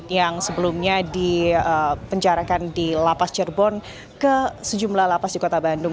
yang sebelumnya dipenjarakan di lapas cirebon ke sejumlah lapas di kota bandung